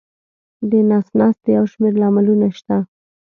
د نس ناستي یو شمېر لاملونه شته.